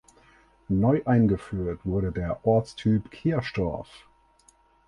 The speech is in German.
Neu eingeführt wurde der Ortstyp Kirchdorf.